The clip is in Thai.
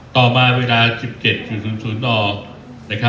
ต่อมาเวลา๑๗สุนน